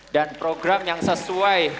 dan program yang sesuai